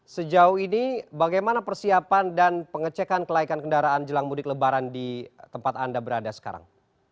sejauh ini bagaimana persiapan dan pengecekan kelaikan kendaraan jelang mudik lebaran di tempat anda berada sekarang